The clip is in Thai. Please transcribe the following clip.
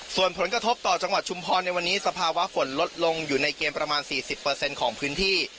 ส่วนผลกระทบต่อจังหวัดชุมพรในวันนี้สภาวะฝนลดลงอยู่ในเกณฑ์ประมาณ๔๐ของพื้นที่